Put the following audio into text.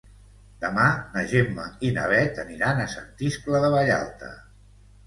Demà na Gemma i na Bet aniran a Sant Iscle de Vallalta.